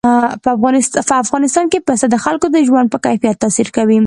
په افغانستان کې پسه د خلکو د ژوند په کیفیت تاثیر کوي.